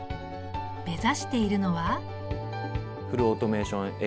目指しているのは。